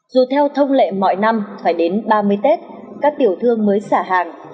dù theo thông lệ mọi năm phải đến ba mươi tết các tiểu thương mới xả hàng